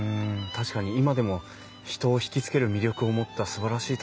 確かに今でも人を引き付ける魅力を持ったすばらしい建物ですもんね。